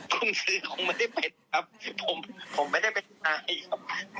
กุญซือคงไม่ได้เป็นครับผมไม่ได้เป็นใครครับ